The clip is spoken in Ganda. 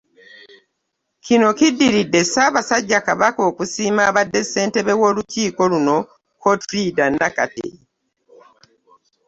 Kino kiddiridde Ssaabasajja Kabaka okusiima abadde ssentebe w'olukiiko luno, Cotilida Nakate